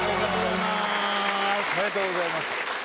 おめでとうございます！